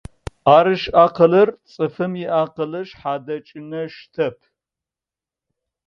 ӏарышӏ акъылыр цӏыфым иакъылы шъхьэ дэкӏынэ щытэп.